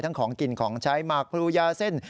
ทั้งของกินของใช้หมักผลุยาเส้น